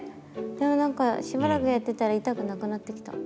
でも何かしばらくやってたら痛くなくなってきた。